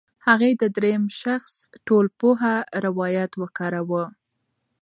هغې د درېیم شخص ټولپوه روایت وکاراوه.